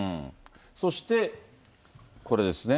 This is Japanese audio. そして、これですね。